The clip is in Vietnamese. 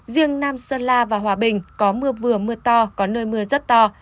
riêng nam sơn la và hòa bình có mưa vừa mưa to có nơi mưa rất to